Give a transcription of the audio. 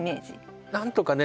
なんとかね